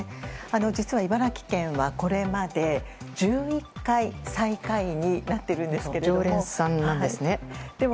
実は茨城県はこれまで１１回、最下位になってるんですけれども。